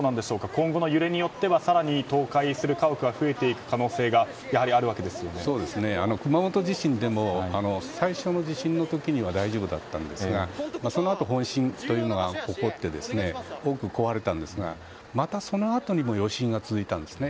今後の揺れによっては更に倒壊する家屋が増えていく可能性が熊本地震でも最初の地震の時には大丈夫だったんですがそのあと本震というのが起こって多く壊れたんですがまた、そのあとにも余震が続いたんですね。